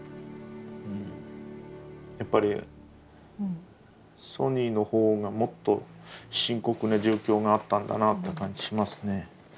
うんやっぱりソニーの方がもっと深刻な状況があったんだなって感じしますね。